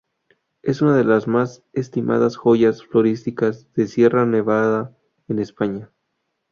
Es una de las más estimadas joyas florísticas de Sierra Nevada en España.